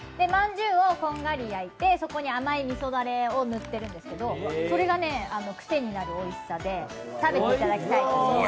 まんじゅうをこんがり焼いて、そこに甘いみそだれを塗ってるんですけどそれがね、くせになるおいしさで食べていただきたいです。